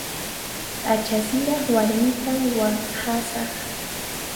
P'acha siraq warmitan waqhasaq.